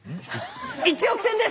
１億点です！